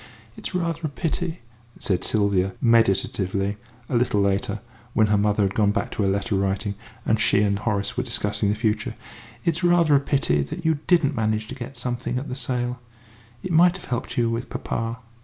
"It's rather a pity," said Sylvia, meditatively, a little later, when her mother had gone back to her letter writing, and she and Horace were discussing the future; "it's rather a pity that you didn't manage to get something at that sale. It might have helped you with papa."